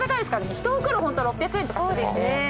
１袋６００円とかするんで。